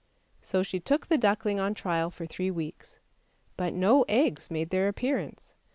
" So she took the duckling on trial for three weeks, but no eggs made their appearance.